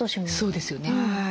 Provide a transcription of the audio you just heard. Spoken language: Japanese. そうですよね。